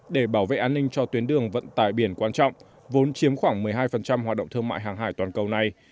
để bảo vệ an ninh cho tuyến đường vận tải biển quan trọng vốn chiếm khoảng một mươi hai hoạt động thương mại hàng hải toàn cầu này